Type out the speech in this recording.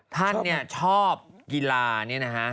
ท่านเนี่ยชอบกีฬานี่นะฮะ